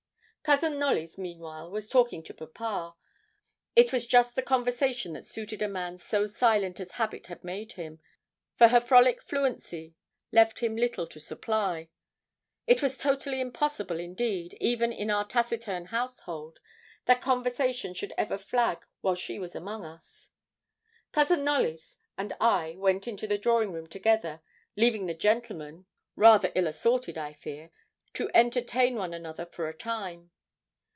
Cousin Knollys meanwhile was talking to papa. It was just the conversation that suited a man so silent as habit had made him, for her frolic fluency left him little to supply. It was totally impossible, indeed, even in our taciturn household, that conversation should ever flag while she was among us. Cousin Knollys and I went into the drawing room together, leaving the gentlemen rather ill assorted, I fear to entertain one another for a time.